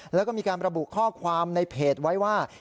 แล้วก็มีการระบุข้อความในเพจไว้ว่า